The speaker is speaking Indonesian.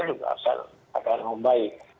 juga akan membaik